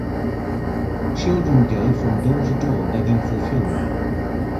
Children go from door to door begging for fuel.